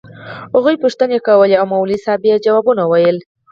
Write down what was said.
هغوى پوښتنې کولې او مولوي صاحب يې ځوابونه ويل.